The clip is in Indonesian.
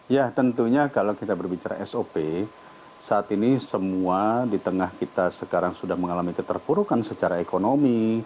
ya tentunya kalau kita berbicara sop saat ini semua di tengah kita sekarang sudah mengalami keterpurukan secara ekonomi